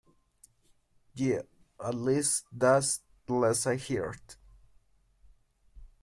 Yeah, at least that's the last I heard.